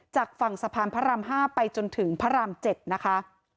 จากฝั่งสะพานพระราม๕ไปจนถึงพระราม๗นะคะ